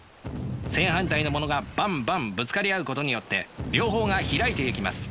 正反対のものがバンバンぶつかり合うことによって両方が開いていきます。